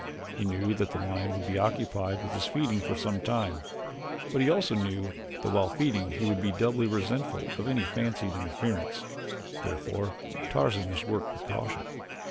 He knew that the lion would be occupied with his feeding for some time, but he also knew that while feeding he would be doubly resentful of any fancied interference. Therefore Tarzan must work with caution.